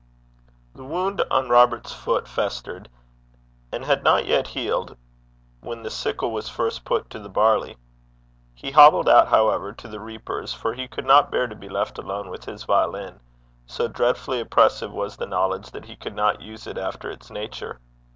The wound on Robert's foot festered, and had not yet healed when the sickle was first put to the barley. He hobbled out, however, to the reapers, for he could not bear to be left alone with his violin, so dreadfully oppressive was the knowledge that he could not use it after its nature.